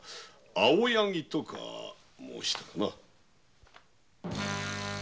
「青柳」とか申したかな。